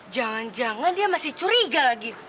jangan jangan dia masih curiga lagi